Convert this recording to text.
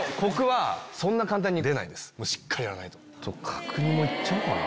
角煮もいっちゃおうかな。